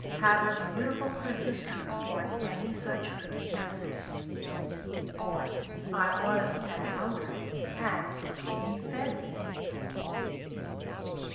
Had her beautiful Christmas tree borne any such fruit as this? "For I was an hungered and ye fed me."